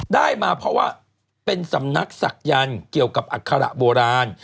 ได้มาเพราะว่าเป็นสำนักศักยันต์เกี่ยวกับอัคระโบราณ